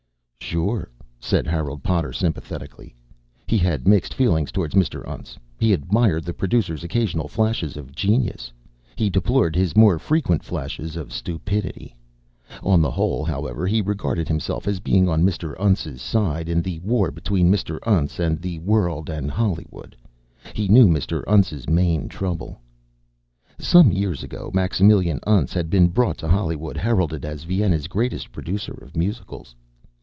"Sure," said Harold Potter sympathetically. He had mixed feelings toward Mr. Untz. He admired the producer's occasional flashes of genius, he deplored his more frequent flashes of stupidity. On the whole, however, he regarded himself as being on Mr. Untz's side in the war between Mr. Untz and the world and Hollywood. He knew Mr. Untz's main trouble. Some years ago Maximilian Untz had been brought to Hollywood heralded as Vienna's greatest producer of musicals.